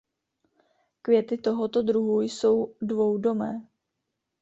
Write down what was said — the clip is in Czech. Květy tohoto druhu jsou dvoudomé.